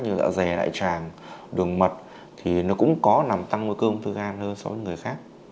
như dạ dày đại tràng đường mật thì nó cũng có làm tăng nguy cơ ung thư gan hơn so với người khác